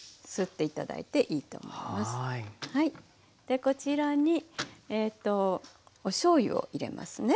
でこちらにおしょうゆを入れますね。